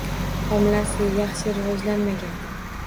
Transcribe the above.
Homilasi yaxshi rivojlanmagan